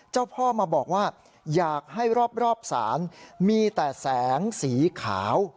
เจ้าพ่อมาบอกว่าอยากให้รอบศาลมีแต่แสงสีขาว